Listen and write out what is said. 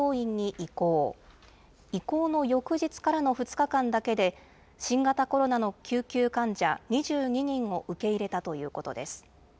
移行の翌日からの２日間だけで、新型コロナの救急患者２２人を受け入れたということです。